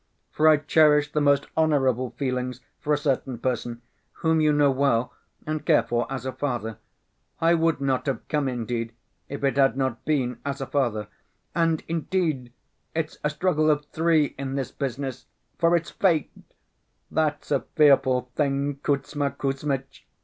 For I cherish the most honorable feelings for a certain person, whom you know well, and care for as a father. I would not have come, indeed, if it had not been as a father. And, indeed, it's a struggle of three in this business, for it's fate—that's a fearful thing, Kuzma Kuzmitch!